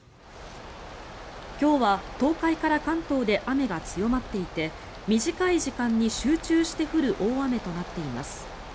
今日は東海から関東で雨が強まっていて短い時間に集中して降る大雨となっています。